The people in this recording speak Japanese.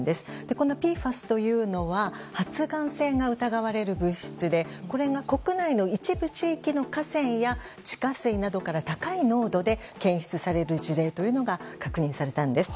このＰＦＡＳというのは発がん性が疑われる物質でこれが国内の一部地域の河川や地下水などから高い濃度で検出される事例というのが確認されたんです。